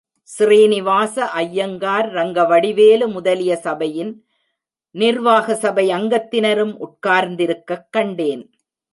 ஸ்ரீனிவாச ஐயங்கார், ரங்கவடிவேலு முதலிய சபையின் நிர்வாக சபை அங்கத்தினரும் உட்டார்ந்திருக்கக் கண்டேன்.